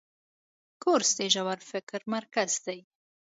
کورس د ژور فکر مرکز دی.